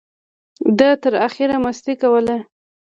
ده تر اخره مستۍ کولې.